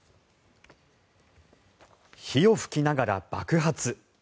火を噴きながら爆発。